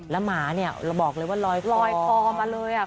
และหมาเนี่ยบอกเลยว่ารอยคอ